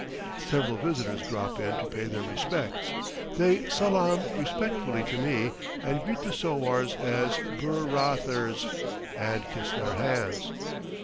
Several visitors drop in to pay their respects; they salaam respectfully to me, and greet the sowars as "bur raa thers," and kiss, their hands.